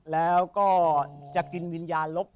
แล้วก็จะกินวิญญาณลบ